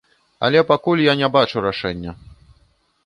Але пакуль я не бачу рашэння.